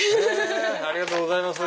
ありがとうございます。